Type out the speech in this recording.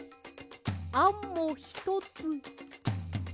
あんもひとつ。